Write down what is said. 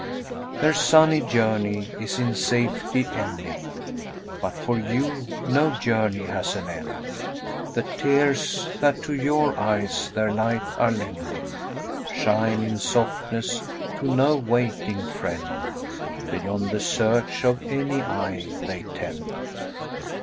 Their sunny journey is in safety ending, But for you no journey has an end. The tears that to your eyes their light are lending Shine in softness to no waiting friend; Beyond the search of any eye they tend.